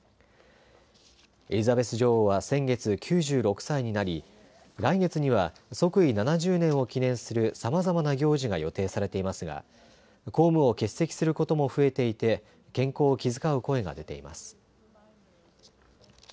エリザベス女王は先月９６歳になり、来月には即位７０年を記念するさまざまな行事が予定されていますが公務を欠席することも増えていて健康を気遣う声が出ています。